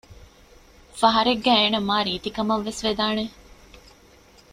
ފަހަރެއްގައި އޭނަ މާ ރީތީ ކަމަށްވެސް ވެދާނެ